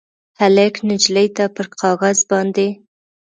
هلک نجلۍ ته پر کاغذ باندې